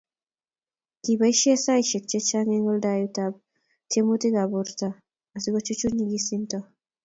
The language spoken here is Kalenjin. kiboisie saisiek che chang Eng' oldab tyemutikab borto asiku chuchuch nyegisinto